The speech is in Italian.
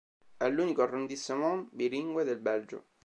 È l'unico arrondissement bilingue del Belgio.